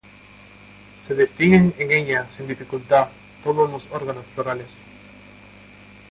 Se distinguen en ella sin dificultad todos los órganos florales.